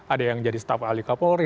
ada yang jadi staf ahli kapolri